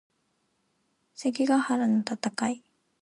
関ヶ原の戦い